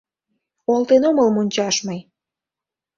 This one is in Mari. Олтен омыл мончаш мый —